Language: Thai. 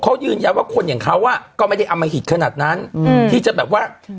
เขายืนยันว่าคนอย่างเขาก็ไม่ได้อมหิตขนาดนั้นอืมที่จะแบบว่า